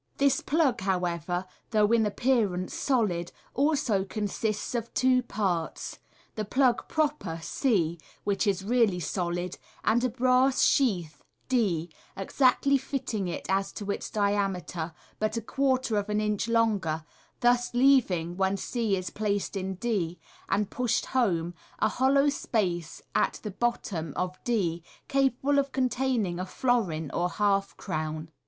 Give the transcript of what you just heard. This plug, how ever, though in appearance solid, also consists of two parts — the plug proper, c, which is really solid, and a brass sheath, d, exactly fitting it as to its diameter, but a quarter of an inch longer, thus leaving, when c is placed in d, and pushed home, a hollow space at the bottom of d capable of containing a florin or half crown.